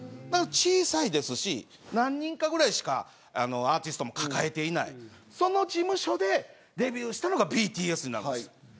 小さいですし何人かぐらいしかアーティストも抱えていないその事務所でデビューしたのがＢＴＳなんです。